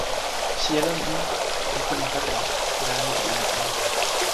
sijelo mi li pilin pakala la mi ken ala kama